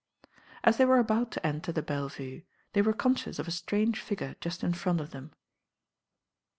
As they were about to enter the Belle Vue, they were conscious of a strange figure just in front of them.